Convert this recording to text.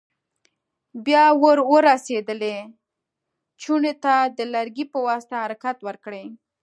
بیا ور رسېدلې چونې ته د لرګي په واسطه حرکت ورکړئ.